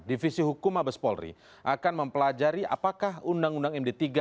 divisi hukum mabes polri akan mempelajari apakah undang undang md tiga